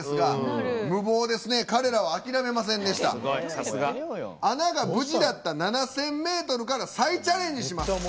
さすが。穴が無事だった７，０００ｍから再チャレンジします。